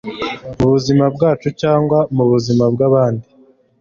mubuzima bwacu cyangwa mubuzima bwa abandi